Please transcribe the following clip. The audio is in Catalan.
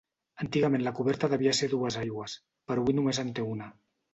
Antigament la coberta devia ser a dues aigües, però avui només en té una.